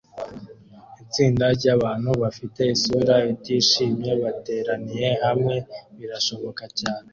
Itsinda ryabantu bafite isura itishimye bateraniye hamwe birashoboka cyane